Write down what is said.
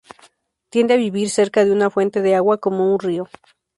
Tiende a vivir cerca de una fuente de agua, como un río.